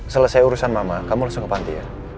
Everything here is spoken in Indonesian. selesai urusan mama kamu langsung ke panti ya